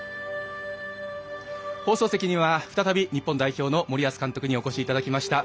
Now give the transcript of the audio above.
放送席には再び日本代表の森保監督にお越しいただきました。